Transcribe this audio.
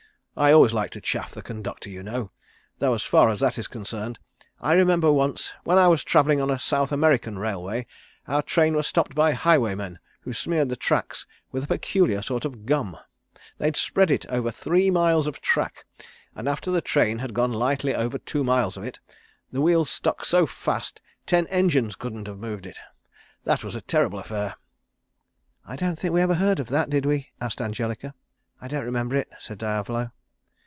I always like to chaff the conductor, you know, though as far as that is concerned, I remember once when I was travelling on a South American Railway our train was stopped by highwaymen, who smeared the tracks with a peculiar sort of gum. They'd spread it over three miles of track, and after the train had gone lightly over two miles of it the wheels stuck so fast ten engines couldn't have moved it. That was a terrible affair." "I don't think we ever heard of that, did we?" asked Angelica. "I don't remember it," said Diavolo.